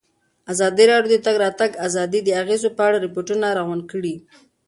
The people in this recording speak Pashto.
ازادي راډیو د د تګ راتګ ازادي د اغېزو په اړه ریپوټونه راغونډ کړي.